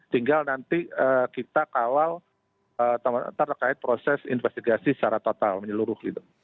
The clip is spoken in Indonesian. tinggal nanti kita kawal terkait proses investigasi secara total menyeluruh gitu